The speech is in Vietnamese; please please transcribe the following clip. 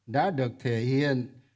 đã được thể hiện